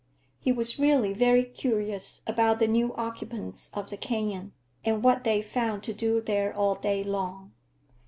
He was really very curious about the new occupants of the canyon, and what they found to do there all day long.